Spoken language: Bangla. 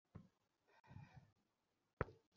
এই নামটা ধরে আমাকে না ডাকলে বড্ড ভাল লাগত!